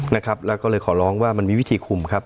นะครับแล้วก็เลยขอร้องว่ามันมีวิธีคุมครับ